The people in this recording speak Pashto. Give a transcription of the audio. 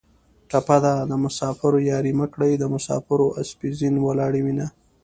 ټپه ده: د مسافرو یارۍ مه کړئ د مسافرو اسپې زین ولاړې وینه